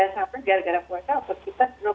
karena kita harus mengejar kebutuhan kita